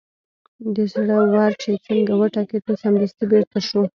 د زړه ور چې څنګه وټکېد نو سمدستي بېرته شو.